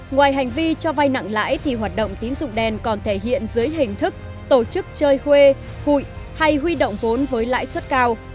ngoài hành vi cho vay nặng lãi thì hoạt động tín dụng đen còn thể hiện dưới hình thức tổ chức chơi huê hụi hay huy động vốn với lãi suất cao